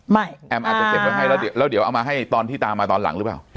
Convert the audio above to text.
แอมอาจจะเก็บไว้ให้แล้วเดี๋ยวแล้วเดี๋ยวเอามาให้ตอนที่ตามมาตอนหลังหรือเปล่า